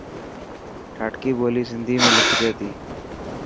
ڌاٽڪي ٻولي سنڌي ۾ لکجي ٿي.